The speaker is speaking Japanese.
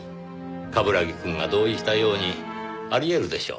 冠城くんが同意したようにあり得るでしょう。